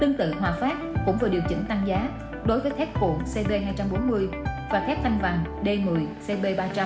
tương tự hòa pháp cũng vừa điều chỉnh tăng giá đối với thép cổ cd hai trăm bốn mươi và thép thanh vàng d một mươi cp ba trăm linh